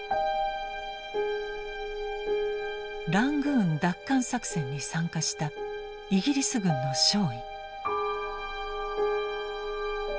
ラングーン奪還作戦に参加したイギリス軍の少尉。